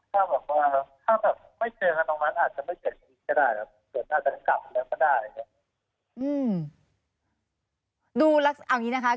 ถ้าแบบไม่เจอกันตรงนั้นอาจจะไม่เจอกันอีกก็ได้